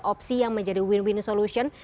opsi yang menjadi win win solution